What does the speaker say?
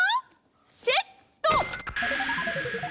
セット！